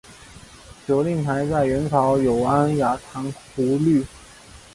酒令牌在元朝有安雅堂觥律。